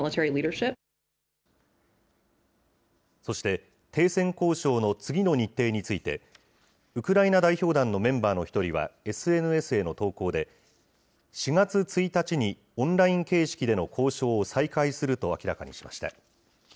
そして、停戦交渉の次の日程について、ウクライナ代表団のメンバーの一人はＳＮＳへの投稿で、４月１日に、オンライン形式での交渉を再開すると明らかにしました。